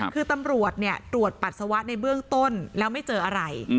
คือตำรวจตรวจปัสสาวะในเบื้องต้นแล้วไม่เจออะไร